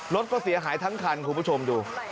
รถก็เสียหายทั้งคันคุณผู้ชมดู